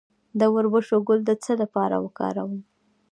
د وربشو ګل د څه لپاره وکاروم؟